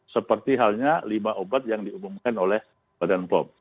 seperti halnya lima obat yang diumumkan oleh badan pom